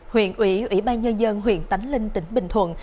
huyện ủy ủy ban nhân dân huyện tánh linh tỉnh bình thuận